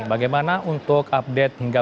bagaimana untuk update hingga